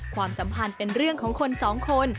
ความสัมพันธ์เป็นเรื่องของคนสองคน